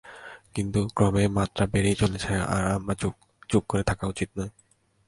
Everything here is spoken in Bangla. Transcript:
কিন্তু, ক্রমেই মাত্রা বেড়েই চলেছে, আর আমার চুপ করে থাকা উচিত নয়।